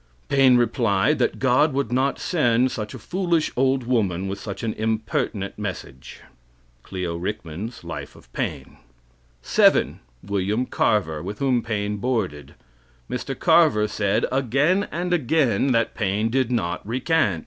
Paine replied that God would not send such a foolish old woman with such an impertinent message. Clio Rickman's Life of Paine. 7. William Carver, with whom Paine boarded. Mr. Carver said again and again that Paine did not recant.